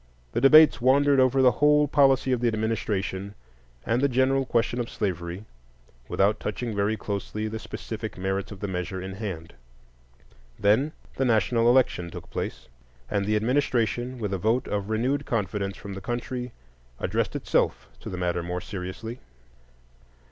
The debates wandered over the whole policy of the administration and the general question of slavery, without touching very closely the specific merits of the measure in hand. Then the national election took place; and the administration, with a vote of renewed confidence from the country, addressed itself to the matter more seriously.